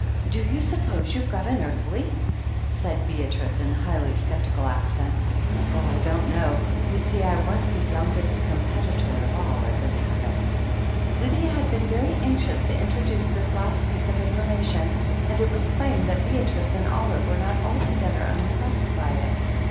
"Do you suppose you've got an earthly?" said Beatrice, in highly sceptical accents. S8 THE HEEL OF ACHILLES "Oh, I don't know. You see, I was the youngest competitor of all, as it happened." Lydia had been very anxious to introduce this last piece of information, and it was plain that Beatrice and Olive were not altogether uni^:^)ressed by it.